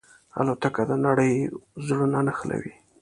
الوتکه د نړۍ زړونه نښلوي.